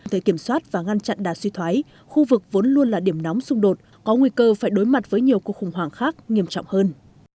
để kiểm soát và ngăn chặn đà suy thoái khu vực vốn luôn là điểm nóng xung đột có nguy cơ phải đối mặt với nhiều cuộc khủng hoảng khác nghiêm trọng hơn